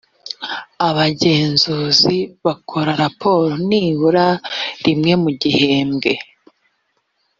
abagenzunzi bakora raporo nibura rimwe mu gihembwe